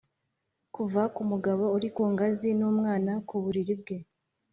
kuva kumugabo uri ku ngazi n'umwana ku buriri bwe.